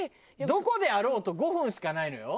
どこであろうと５分しかないのよ。